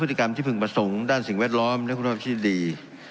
พฤติกรรมที่พึงประสงค์ด้านสิ่งแวดล้อมและคุณภาพที่ดี